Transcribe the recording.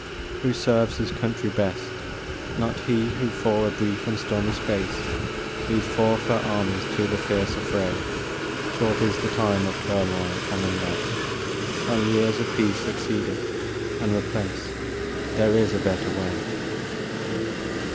HO serves his country best ? Not he who, for a brief and stormy space, Leads forth her armies to the fierce affray. Short is the time of turmoil and unrest, Long years of peace succeed it and replace : There is a better way.